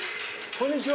こんにちは。